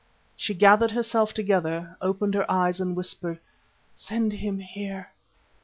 She gathered herself together, opened her eyes and whispered: "Send him here."